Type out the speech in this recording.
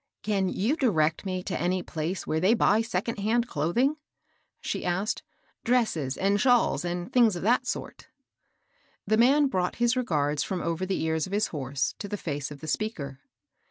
" Can you direct me to any place where they buy second hand clothing ?" she asked ;" dresses and shawls, and things of that sort." The man brought his regards from over the ears of his horse to the face of the speaker.